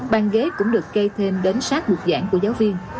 ban ghế cũng được gây thêm đến sát buộc giảng của giáo viên